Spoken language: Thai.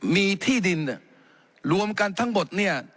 มีที่ดินเนี่ยรวมกันทั้งหมดเนี่ย